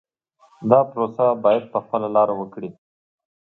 دا پروسه باید په خپله لاره وکړي.